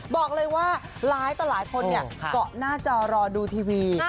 บอกเลยว่าไลค์ต่อหลายคนเนี่ยก็น่าจะรอดูทีวี